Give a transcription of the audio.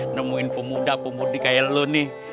nemuin pemuda pemudi kayak lu nih